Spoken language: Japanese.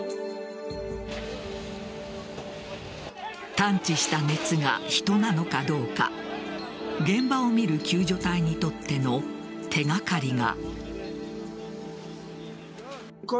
探知した熱が人なのかどうか現場を見る救助隊にとっての手掛かりが。